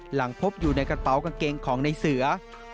หลังพบอยู่ในกระเป๋ากางเกงของในเสือ